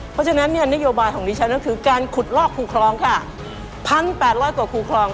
เพราะฉะนั้นเนี่ยนโยบายของดิฉันนั้นคือการขุดลอกคูครองค่ะ๑๘๐๐กว่าคู่ครอง